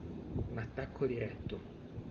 Un attacco diretto.